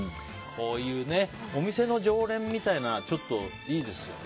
こういうね、お店の常連みたいなちょっといいですよね。